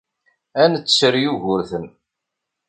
Ad netter Yugurten.